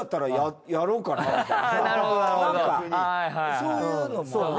そういうのもね。